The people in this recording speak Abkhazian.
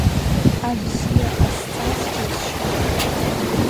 Абзиа ҟасҵаз џьысшьон.